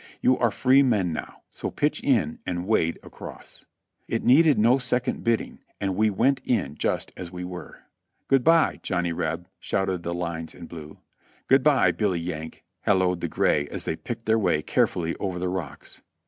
You are free men now; so pitch in and wade across." It needed no second bidding and we went in just as v/e were. "Good by, Johnny Reb!" shouted the lines in blue. "Good by, Billy Yank!" halloed the gray as they picked their way carefully over the rocks.